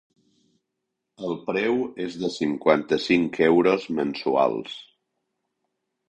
El preu és de cinquanta-cinc euros mensuals.